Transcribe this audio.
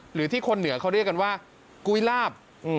หรือที่คนเหนือเขาเรียกกันว่ากุ้ยลาบ